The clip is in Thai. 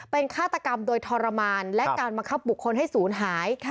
เป็นฆาตกรรมโดยทรมานและการบังคับบุคคลให้ศูนย์หาย